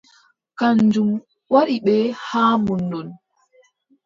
Kanjum waddi ɓe haa mon ɗo.